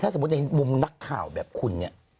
ถ้าดูภาพบุคกี้บุ่มนักข่าวอย่างคุณ